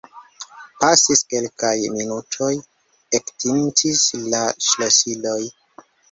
Pasis kelkaj minutoj; ektintis la ŝlosiloj.